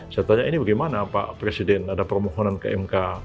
saya tanya ini bagaimana pak presiden ada permohonan ke mk